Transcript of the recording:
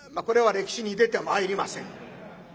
これは歴史に出てまいりません。